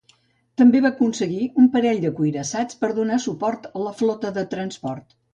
També va aconseguir un parell de cuirassats per donar suport a la flota de transport.